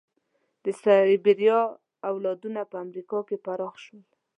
د سایبریا اولادونه په امریکا کې پراخه شول.